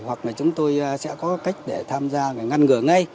hoặc là chúng tôi sẽ có cách để tham gia ngăn ngừa ngay